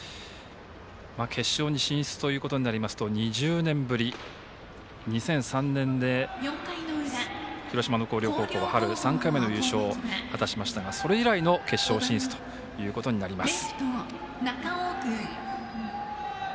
決勝に進出となりますと２０年ぶり２００３年で広島の広陵高校は春、３回目の優勝を果たしましたが、それ以来の決勝進出ということになります。